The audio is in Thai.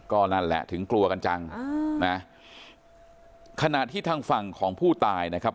ก็นั่นแหละถึงกลัวกันจังนะขณะที่ทางฝั่งของผู้ตายนะครับ